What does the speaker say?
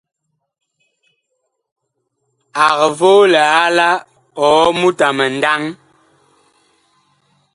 Ag voo liala ɔɔ mut a mindaŋ.